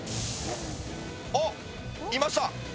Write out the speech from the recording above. あっいました